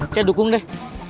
saya dukung deh